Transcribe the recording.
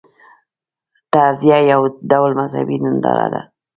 تعزیه یو ډول مذهبي ننداره ده.